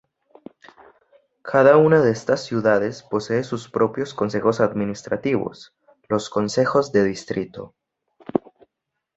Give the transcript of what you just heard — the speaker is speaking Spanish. Cada una de estas ciudades posee sus propios consejos administrativos, los consejos de distrito.